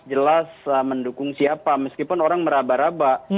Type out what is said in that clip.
jelas mendukung siapa meskipun orang merabak rabak